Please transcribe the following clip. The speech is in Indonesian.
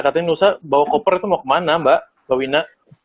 katanya nusa bawa koper itu mau kemana mbak mbak wina